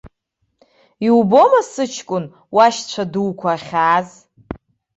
Иубома, сыҷкәын, уашьцәа дуқәа ахьааз.